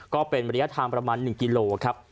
ก็เป็นบริษฐาประมาณ๑กิโลครับ